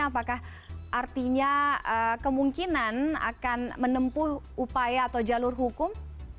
apakah artinya kemungkinan akan menempuh upaya atau jalur hukum